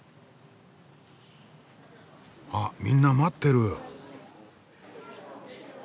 あっみんな待ってる。